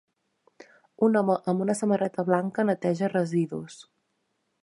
Un home amb una samarreta blanca neteja residus.